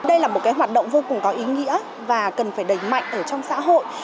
đây là một hoạt động vô cùng có ý nghĩa và cần phải đẩy mạnh ở trong xã hội